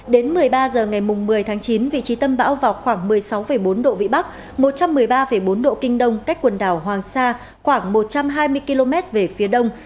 đến một mươi ba h ngày một mươi tháng chín vị trí tâm bão vào khoảng một mươi sáu bốn độ vĩ bắc một trăm một mươi ba bốn độ kinh đông cách quần đảo hoàng sa khoảng một trăm hai mươi km về phía đông